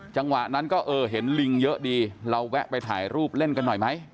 จังหวะนั้นก็เออเห็นลิงเยอะดีเราแวะไปถ่ายรูปเล่นกันหน่อยไหม